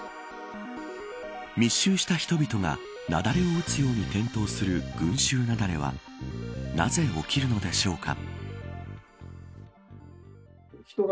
密集した人々が雪崩を打つように転倒する群衆雪崩はなぜ起きるのでしょうか。